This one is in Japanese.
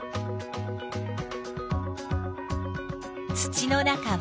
土の中は？